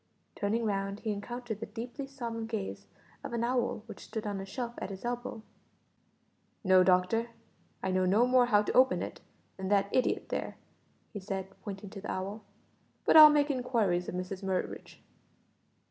Turning round he encountered the deeply solemn gaze of an owl which stood on a shelf at his elbow. "No, doctor, I know no more how to open it than that idiot there," he said, pointing to the owl, "but I'll make inquiries of Mrs Murridge."